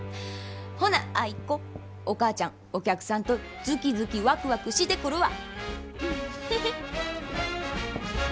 ほなアイ子お母ちゃんお客さんとズキズキワクワクしてくるわ。